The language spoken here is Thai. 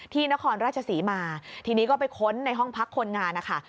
นครราชศรีมาทีนี้ก็ไปค้นในห้องพักคนงานนะคะ